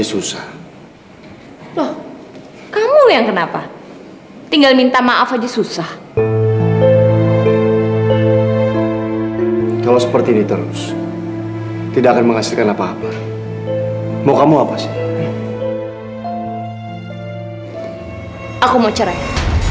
sampai jumpa di video selanjutnya